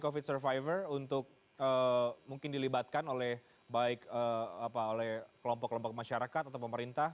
covid survivor untuk mungkin dilibatkan oleh baik oleh kelompok kelompok masyarakat atau pemerintah